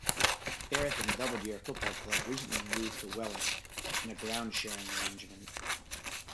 Erith and Belvedere Football Club recently moved to Welling in a ground-sharing arrangement.